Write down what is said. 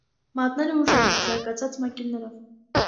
Մատները ուժեղ են՝ զարգացած մագիլներով։